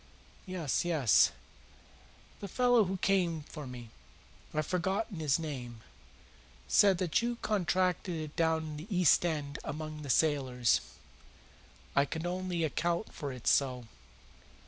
"Yes, yes." "The fellow who came for me I've forgotten his name said that you contracted it down in the East End among the sailors." "I could only account for it so."